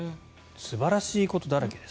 素晴らしいことだらけです。